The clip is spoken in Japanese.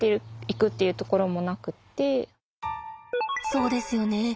そうですよね。